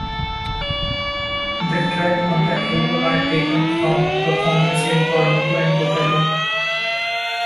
The tracks on the album are taken from performances in Toronto and Buffalo.